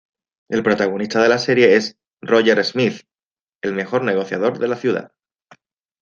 El protagonista de la serie es Roger Smith, el mejor Negociador de la ciudad.